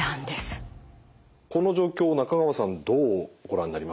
この状況を中川さんどうご覧になりますか？